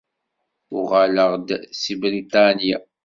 Uɣaleɣ-d seg Briṭanya.